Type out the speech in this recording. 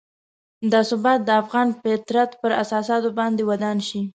دا ثبات د افغان فطرت پر اساساتو باید ودان شي.